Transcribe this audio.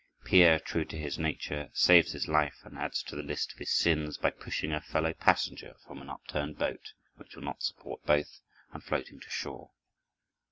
Peer, true to his nature, saves his life and adds to the list of his sins by pushing a fellow passenger from an upturned boat which will not support both, and floating to shore.